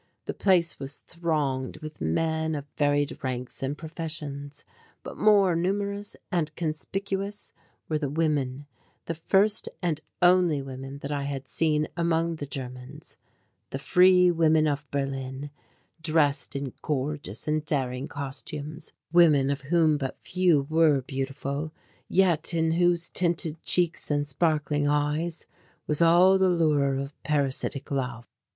The place was thronged with men of varied ranks and professions. But more numerous and conspicuous were the women, the first and only women that I had seen among the Germans the Free Women of Berlin, dressed in gorgeous and daring costumes; women of whom but few were beautiful, yet in whose tinted cheeks and sparkling eyes was all the lure of parasitic love.